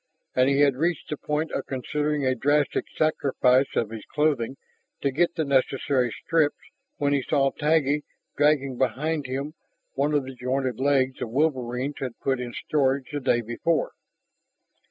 And he had reached the point of considering a drastic sacrifice of his clothing to get the necessary strips when he saw Taggi dragging behind him one of the jointed legs the wolverines had put in storage the day before.